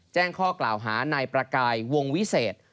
แจ้งข้อกล่าวหานายประกายวงวิเศษ